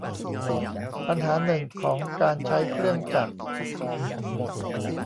ปัญหาหนึ่งของการใช้เครื่องจักร